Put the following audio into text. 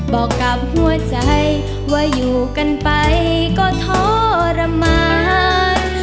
บอกกับหัวใจว่าอยู่กันไปก็ทรมาน